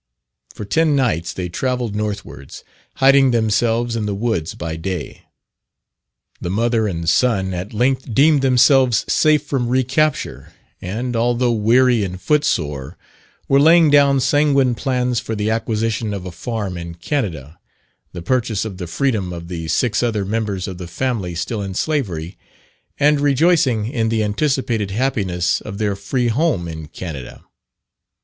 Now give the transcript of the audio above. For ten nights they travelled northwards, hiding themselves in the woods by day. The mother and son at length deemed themselves safe from re capture, and, although weary and foot sore, were laying down sanguine plans for the acquisition of a farm in Canada, the purchase of the freedom of the six other members of the family still in slavery, and rejoicing in the anticipated happiness of their free home in Canada.